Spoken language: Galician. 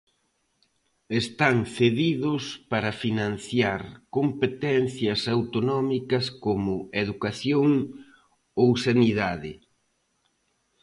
Están cedidos para financiar competencias autonómicas como Educación ou Sanidade.